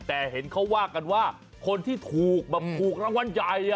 แต่เห็นเขาว่ากันว่าคนที่ถูกแบบถูกรางวัลใหญ่